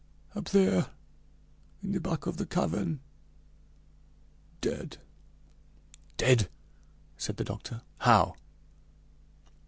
"Up there in the back of the cavern dead!" "Dead!" said the doctor, "how?"